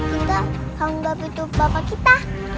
kita anggap itu bapak kita